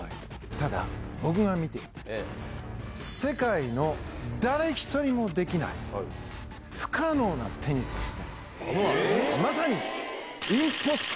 ただ、僕が見て、世界の誰一人もできない、不可能なテニスをしてる。